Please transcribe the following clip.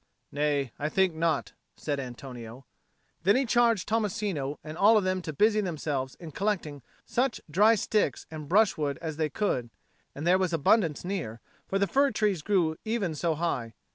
"Nay, I think not," said Antonio. Then he charged Tommasino and all of them to busy themselves in collecting such dry sticks and brushwood as they could; and there was abundance near, for the fir trees grew even so high.